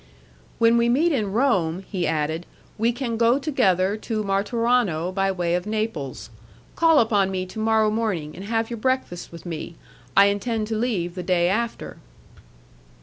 "When we meet in Rome," he added, "we can go together to Martorano by way of Naples. Call upon me to morrow morning, and have your breakfast with me. I intend to leave the day after."